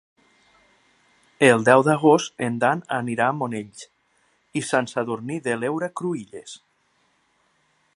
El deu d'agost en Dan anirà a Monells i Sant Sadurní de l'Heura Cruïlles.